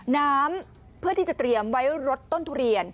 น้ำเพื่อที่จะเตรียมไว้ลดต้นทุเรียน